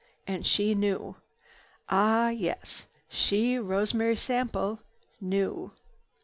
And she knew. Ah yes, she, Rosemary Sample, knew.